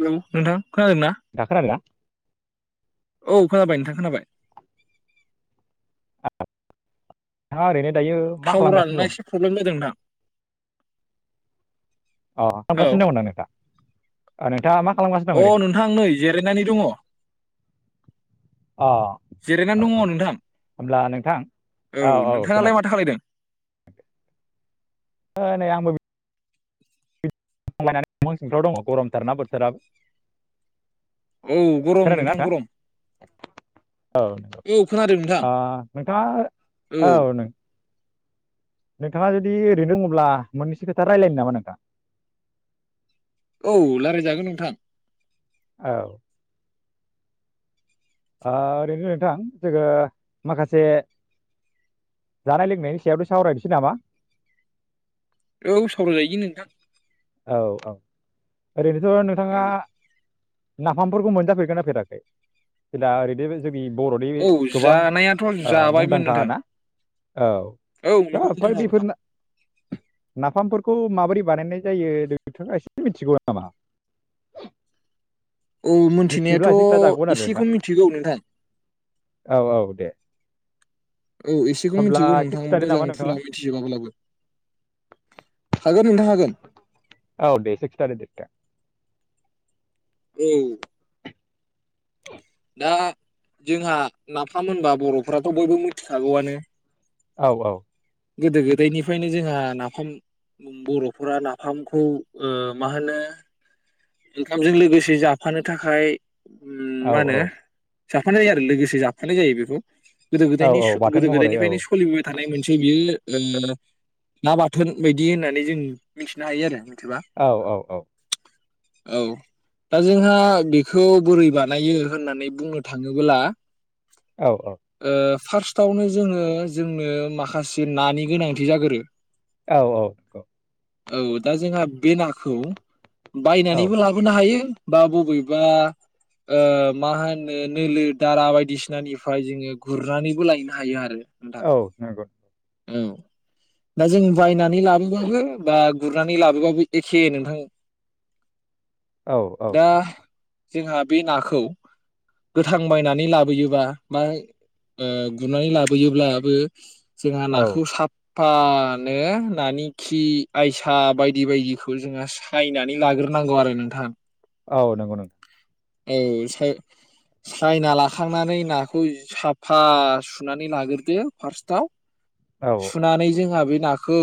Hello नोंथां खोनादों ना? दा खोनादोंना औ खोनाबाय नोंथां खोनाबाय। [unintelligible] मा थाव खालामगासिनो रानना दं एसे प्रब्लेम जादों नोंथां। औ हेलौ खालामगासिनो दं ना नोंथाङा नोंथाङा मा खालामगासिनो दं अ ओरैनो नोंथां नै जिरायनानै दङ अ जिरायनानै औ औ दङ नोंथां होब्ला नोंथां औ औ नोंथाङालाय खोनादों माथो खालायदों नै आंबो। लायनानै [unintelligible] सिंफ्राव दङ गरमथारना बोथोराबो। औ गरम खोनादोंना नोंथां गरम नोंथां औ औ खोनादों नोंथां ओ नोंथाङा औ नों नोंथाङा जुदि ओरैनो दङब्ला मोननैसो खोथा रायलायनो नामा नोंथां? औ रायलायजागोन नोंथां। औ। ओ ओरैनो नोंथां जोङो माखासे जानाय लोंनायनि सायावथ' सावरायनोसै नामा? औ सावरायजायो नोंथां। औ औ आरैनो ओ नोंथाङा औ नाफामफोरखौ मोनजाफेरगोना फेराखै जे ओरैदि बर'नि औ गोबां जानायाथ' ओ जाबायमोन मुंदांखा नोंथां ना? औ औ दा नंगौ नोंथां फ्राय औ नोंथां। बेफोर नाफामफोर खौ माबोरै बानायनाय जायो नोंथाङा एसे मिथिगौ नामा? औ मिथिनायाथ' मिथियोब्ला एसे खिथाजागौमोन आरो एसेखौ नोंथां मिथिगौ नोंथां औ औ दे औ एसेखौ होमब्ला मिथिगौ एसे नोंथां खिथादो मोजां नामा फुरा नोंथाङा मिथिजोबाब्लाबो हागोन नोंथां हागोन। औ दे एसे खिथादोदे। [unintelligible] आ जोंहा नाफाम मोनबा बर'फ्राथ' बयबो मिथिखागौआनो। औ औ। गोदो गोदायनिफ्रायनो जोंहा नाफाम बर'फोरा नाफामखौ ओ मा होनो ओंखामजों लोगोसे जाफानो थाखाय ओम औ मा औ होनो जाबफानाय जायो आरो लोगोसे जाबफानाय जायो बेखौ। गोदो औ गोदायनि स औ बाथोन गोदो महरै औ गोदायनिफ्रायनो सलिबोबाय थानाय मोनसे बियो ओ ना बाथोन बायदि होननानै जों मिथिनो हायो आरो। मिथिबा औ औ औ। औ दा जोंहा बिखो बोरै बानायो होननानै बुंनो थाङोबोला औ औ। फार्स्टआवनो जोङो जोंनो माखासे नानि गोनांथि जागोरो। औ औ औ। औ दा जोंहा बे नाखौ। औ बायनानैबो लाबोनो हायो। बा बबेबा ओ मा होनो नोलो दारा बायदिसिनानिफ्राय जोङो गुरनानैबो लायनो हायो आरो। नोंथां औ नंगौ । औ दा जों बायनानै लाबोबाबो बा गुरनानै लाबोबाबो एखे नोंथां। औ औ। दा जोंहा बे नाखौ गोथां बायनानै लाबोयोबा बा गुरनानै ओ लाबोयोब्लाबो। जोंहा नाखौ साफ फानो नानि खि आयसा बायदि बायदिखौ जोङो सायनानै। नै लाग्रोनांगौ आरो नोंथां। औ नंगौ नंग औ साय सायना लाखांनानै नाखौ साफा सुनानै लाग्रोदो फार्स्टआव। नोंथां औ सुनानै जोंहा बे नाखौ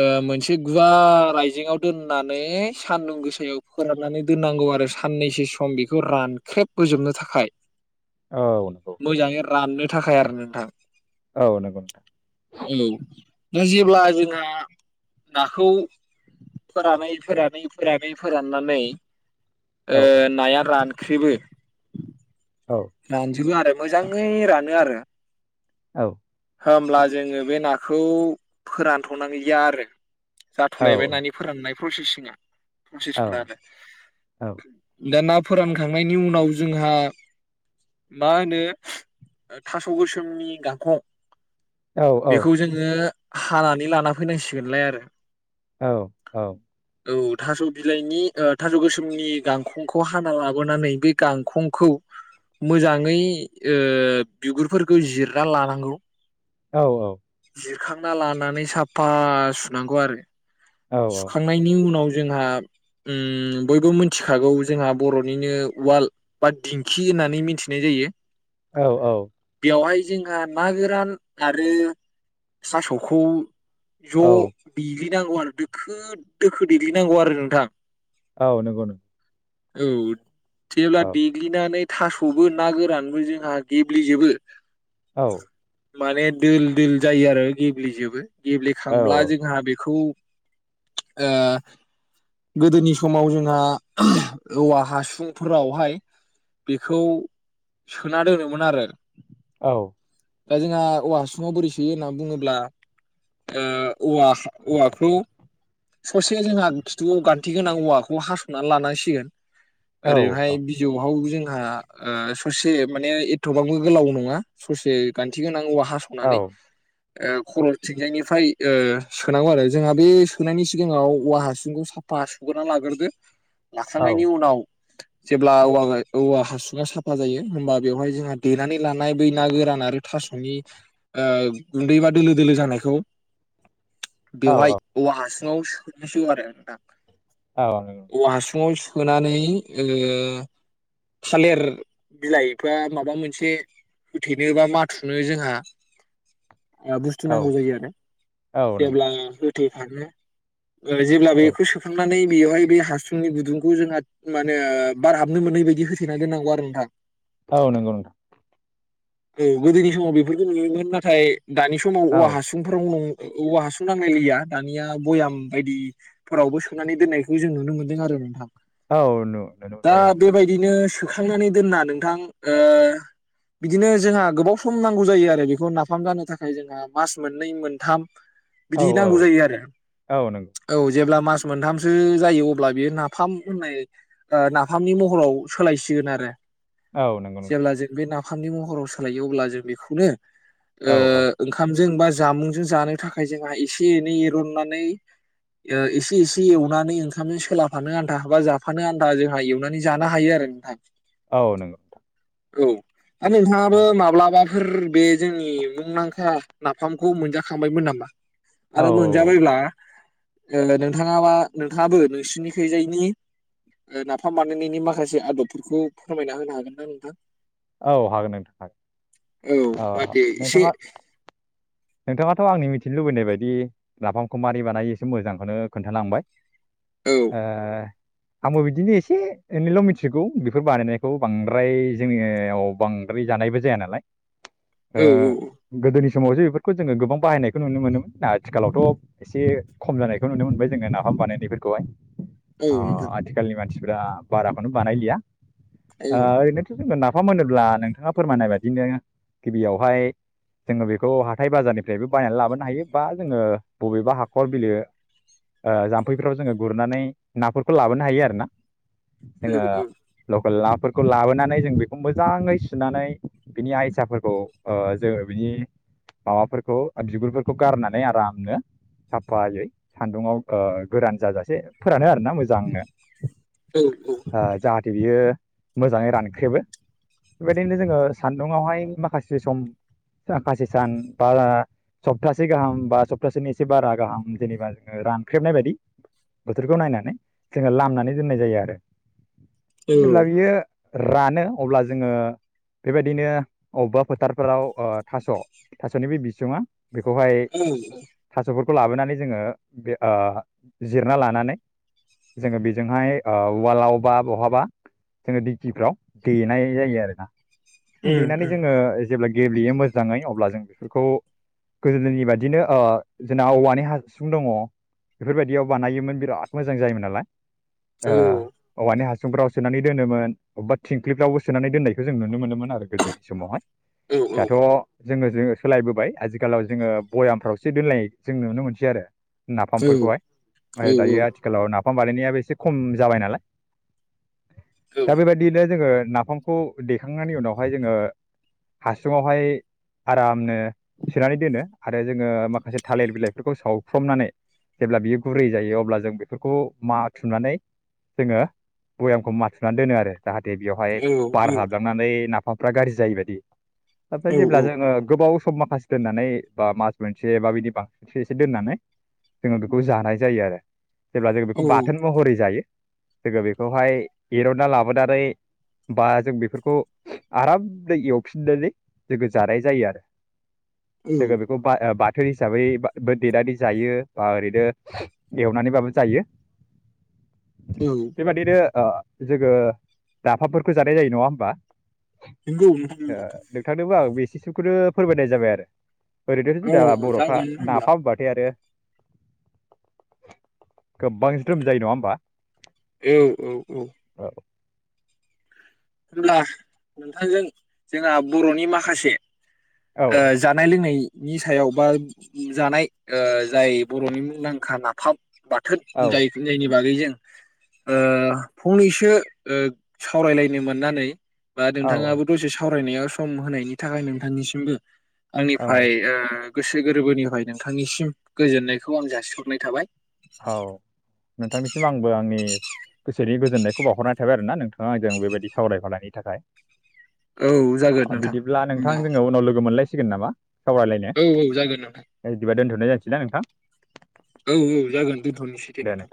ओ मोनसे गुवार आयजेेंयाव दोननानै सानदुं गोसायाव फोराननानै दोननांगौ आरो साननैसो सम बेखौ रानख्रेबहोजोबनो थाखाय औ नंगौ। मोजाङै राननो थाखाय आरो नोंथां। औ नंगौ नोंथां। नों जेब्ला जोंहा नाखौ फोरानै फोरानै फोरानै फोराननानै। ओ औ नाया रान ख्रेबो। औ रानजुबो आरोब मोजाङै रानो आरो औ होमब्ला जोङो बे नाखौ फोरानथनांलिया आरो। औ जाथनायबाय नानि फोराननायेब प्रसेसिङा औ प्रसेसफ्रा आरो दानाब फोरानखांनायनि उनाव जोंहा मा होनो ओ थास' गोसोमनि गांखं औ बेखौ जोङो हानानै लाना फैनांसिगोनलाय आरो औ औ औ थास' बिलाइनि ओ थास' गोसोमनि गांखंखौ हाना लाबोनानै बे गांखंखौ मोजाङै ओ बिगुरफोरखौ जिरना लानांगौ। औ औ सोखांना लानानै साफा सुनांगौ आरो औ सुखांनायनि उनाव जोंहा उम बयबो मिथिखागौ जोंहा बर'निनो उवाल बाद दिंखि होननानै मिथिनाय जायो। औ औ बेवहाय जोंहा ना गोरान आरो सास'खौ ज औ दिग्लि नांगौ आरो दोखो दोखो देग्लिनांगौ आरो नोंथां औ नोंगौ नो औ जेब्ला दिग नानै थास'बो ना गोरानबो जोंहा गेब्लेजोबो। औ माने दोल दोल जायो आरो गेब्लेजोबो। औ गेब्लेखांब्ला जोंहा बेखौ ओ गोदोनि समाव जोंहा औवा हासुंफोरावहाय बेखौ सोना दोनोमोन आरो। औ दा जोंहा औवा हासुङाव बोरै सोयो होननानै बुङोब्ला ओ औवा हा औवाखौ ससे जोंहा खिथुआव गान्थि गोनां औवाखौ हास'नानै लानांसिगोन। औ ओरैहाय बिजौहाव जों हा ओ ससे माने एथबांबो गोलाव नङा ससे गान्थि गोनां औवा औ हासनानै ओ खर' थिंजायनिफ्राय ओ सोनांगौ आरो जोंहा बे सोनायनि सिगाङाव औवा हासुंखौ साफा सुग्रोना लाग्रोदो। औ लाखांनायनि उनाव जेब्ला औवा औवा हासुङा साफा जायो होमबा बेवहाय जोंहा देनानै लानाय बै ना गोरान आरो थास'नि ओ गुन्दै बा दोलो दोलो जानायखौ बेवहाय औ औवा हासु आव सोनांसिगौ आरो दा औ नंगौ नोंथां औवा हासुंआव सो फोनानै ओ थालेर बिलाइफा बा माबा मोनसे होथेनोबा माथ थुनो जोंहा ओ बुस्थु नांगौ औ जायो आरो औ नंगौ जेब्ला [unintelligible] ओ जेब्लाबो औ बेखौ सोखांनानै बेवहाय बे हासुंनि गुदुंखौ जोंहा माने बारहाबनो मोनै बायदि होथेना दोननांगौ आरो नोंथां। औ नंगौ नोंथां। औ गोदोनि समाव बेफोरखौ नुयोमोन नाथाय दानि समाव औवा औ हासुंफोराव न औवा हासुं नांलायलिया दानिया भयाम बायदिफोरावबो सोनानै दोननायखौ जों नुनो मोन्दों आरो नोंथां। औ नुुनो मोनबाय औ। थोखांनानै दोनना नोंथां ओ बिदिनो जोंहा गोबाव सम नांगौ जायो आरो बेखौ नाफाम जानो थाखाय जोंहा मास मोननै मोनथाम औ बिदि औ नांगौ जायो आरो औ नंगौ औ। जेब्ला मास मोनथामसो जायो अब्ला बियो नाफाम होननाय नाफामनि महराव सोलायसिगोन आरो। औ नंगौ नोंथां जेब्ला जों बे ना निफामनि महराव सोलायो अब्ला जों बेखौनो औ ओ औ ओंखामजों बा जामुं जों जानो थाखाय जोंहा एसे एनै एरननानै ओ एसे एसे एवनानै ओंखामजों सोलाफानो आनथा बा जाफानो आनथा जोंहा एवनानै जानो हायो आरो नोंथां। औ नंगौ। औ आरो औ नोंथांङाबो माब्लाबा फोर बे जोंनि मुंदांखा नाफामखौ मोनजाखांबायमोन नामा? औ आरो मोनजाबायब्ला ओ लो नोंथांङाबा नोंथांङाबो नोंसोरनिखैजायनि नाफाम बानायनायनि माखासे आदबफोरखौ फोरमायना होनो हागोन ना नोंथां? औ हागोन नोंथां हागोन। औ ओ होमबा दे एसे नोंथांङा नोंथांङाथ' आंनि मिथिनो लुबैनाय बायदि नाफामखौ मारि बानायो एसे मोजांखौनो खोन्थालांबाय। औ हो आंबो बिदिनो एसे एनैल' मिथिगौ बेफोर बानायनायखौ बांद्राय जोंङो औ बांद्राय जानायबो जाया नालाय ओ औ औ औ गोदोनि समावसो बेफोरखौ जोंङो गोबां बाहायनायखौ नुनो मोनोमोन आथिखालावथ' एसे खम जानायखौ नुनो मोनबाय जोंङो नाफाम बानायनाय फोरखौहाय। औ अ नोंथां आथिखालनि मानसि फुरा बाराखौनो बानायलिया औ ओ एनोथ' ङो नाफ फाम मोनोब्ला नोंथांङा फोरमायनाय बायदिनो गिबियावहाय जोंङो बेखौ हाथाय बाजारनिफ्रायबो बायनानै लाबोनो हायो, बा जोंङो बबेबा हाखर बिलो ओ जाम्फैफ्राव जोंङो गुरनानै नाफोरखौ लाबोनो हायो आरोना। औ जोंङो औ ल ला फोरखौ लाबोनानै जों बे खौ मोजांङै सुनानै बिनि आयसाफोरखौ ओ जोङो बिनि माबाफोरखौ बिगुरफोरखौ गारनानै आरामनो साफायै सान्दुंङाव ओ गोरान जाजासे फोरानो आरोना मोजांनो। औ औ ओ जाहाथे बियो मोजांङै रानख्रेबो बेदिनो जोंङो सान्दुंआवहाय माखासे सम माखासे सान बा सप्तासे गाहाम बा सप्तासेनि एसे बारा गाहाम जेनेबा जोंङो रानख्रेबनाय बायदि बोथोरखौ नायनानै जोंङो लामनानै दोननाय जायो आरो। जेब्ला उम बियो रानो अब्ला जोंङो बे बायदिनो अबबा फोथार फोराव अ थास' थास'नि बे बि सोमा बेखौहाय उम थास' फोर खौ लाबोनानै जोंङो बे ओ जिरना लानानै जोंङो बेजोंहाय ओ उवालाव बा बहाबा जोंङो दिकिफ्राव देनाय जायो आरोना। औ देनानै जोंङो जेब्ला गेब्लेयो मोजांङै अब्ला जों बेफोरखौ गोदोनि बायदिनो ओ जोंना औवानि हासुं दंङ बेफोरबायदियाव बानायोमोन बिराद मोजां जायोमोन नालाय ओ औ अवानि हास सुंफ्राव सोनानै दोनोमोन अबेबा थिंख्लिबफ्रावबो सोनानै दोननायखौ जों नुनो मोनोमोन आरो गोदोनि समावहाय औ दाथ जोंङो जो सोलायबोबाय आजिखालाव जोंङो बयामफ्रावसो दोननाय जों नुनो मोनसै आरो नाफामफोरखौहाय ओ दायो आथिखालाव नाफ बिफां बानायनायाबो एसे खम जाबाय नालाय औ जोंङो नाफामखौ दैखांनायनि उनावहाय जोंङो हासुङावहाय आरामनो सोनानै दोनो आरो जोंङो माखासे थालिर बिलाइफोरखौ सावथ्रमनानै जेब्ला बियो गुरै जायो अब्ला जों बेफोरखौ माथुनानै जोङो बयामखौ माथुनानै दोनो आरो जाहाथे बेवहाय बार औ हाबलांनानै ना आमफ्राय गाज्रि जायि बायदि ओमफफ्राय औ जेब्ला औ जोंङो गोबाव सब माखासे दोननानै बा मास मोनसे बा बिदि बांसिनस एसे दोननानै जोंङो बेखौ जानाय जायो आरो जेब्ला जों बेखौ बाथोन महरै जायो जोंङो बेखौहाय एरनना लाब हदनानै बा जों बेफोरखौ आरामै एवफिननानै जोंङो जानाय जायो आरो जोंङो बेखौ बा ओ बाद बोथोर हिसाबै बा बो देेनानै जायो बा ओरैनो एवनानैबाबो जायो बेबादिनो आ जोंङो नाफामफोरखौ जानाय जायो नंङा होमबा नंगौ नोंथां आ नंगौ नोंथांनोबो आं बेसे बिसोरखौनो फोरमायनाय जाबाय आरो ओरैनोथ औ जोंना बरफ्रा जागोन होनब्ला नाफाम होबाथाय आरो गोबां ज्रोम जायो नंङा होमबा? औ औ औ। होनब्ला नोंथांजों जोंना बरनि माखासे औ ओ जानाय लोंनाय नि सायाव बा जानाय ओ जाय बरनि मुंदांखा नाफाम बाथोन औ जाय जायनि बागै जों ओ फंनैसो ओ सावरायलायनो मोन नानै बा औ नोंथाङाबो दसे साव रायनायाव सम होनायनि थाखाय नोंथांनिसिमबो आंनि फ्राय औ ओ गोसो गोरबोनिफ्राय नोंथांनिसिम गोजोननायखौ आं जासिहरनाय थाबाय। औ नोंथांनिसिम आंबो आंनि गोसोनि गो जोननायखौ बावहरनाय थाबाय आरोना नोंथाङा आंजों बेबायदि सावरायफानायनि थाखाय। औ जागोन नोंथां होमबा सिगोन नामा? सावरायलायनो औ औ जागोन नोंथां दा बिदिबा दोन्थ' लायनाय जानोसै ना नोंथां? औ औ जागोन। दोनथ'नोसै दे नोंथां।